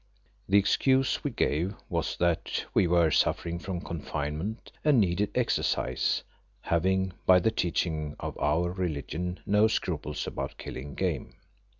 The excuse we gave was that we were suffering from confinement and needed exercise, having by the teaching of our religion no scruples about killing game.